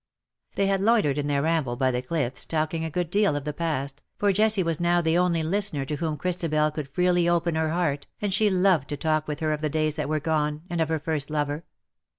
They had loitered in their ramble by the cliffs, talking a good deal of the past, for Jessie was now the only listener to whom Christabel could freely open her heart, and she loved to talk with her of the days that were gone, and of her first lover.